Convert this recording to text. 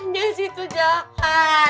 jessi itu jahat